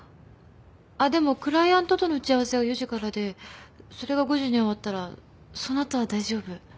あっでもクライアントとの打ち合わせが４時からでそれが５時に終わったらそのあとは大丈夫。